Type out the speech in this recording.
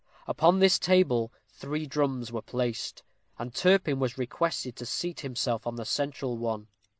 Upon this table three drums were placed; and Turpin was requested to seat himself on the central one.